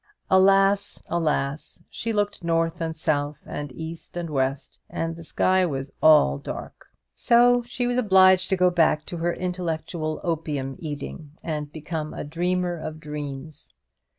Alas, alas! she looked north and south and east and west, and the sky was all dark; so she was obliged to go back to her intellectual opium eating, and become a dreamer of dreams.